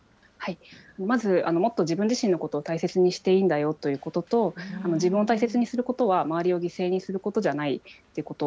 まず、もっと自分自身のことを大切にしていいんだよということと、自分を大切にすることは周りを犠牲にすることじゃないっていうこと。